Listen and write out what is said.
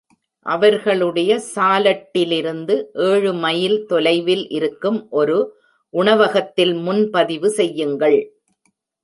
அவர்களுடைய சாலட்டிலிருந்து ஏழு மைல் தொலைவில் இருக்கும் ஒரு உணவகத்தில் முன்பதிவு செய்யுங்கள்